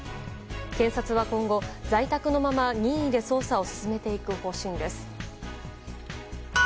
検察は今後、在宅のまま任意で捜査を進めていく方針です。